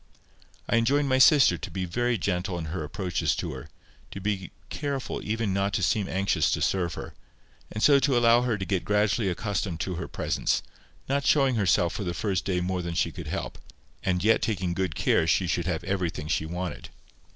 I enjoined my sister to be very gentle in her approaches to her, to be careful even not to seem anxious to serve her, and so to allow her to get gradually accustomed to her presence, not showing herself for the first day more than she could help, and yet taking good care she should have everything she wanted.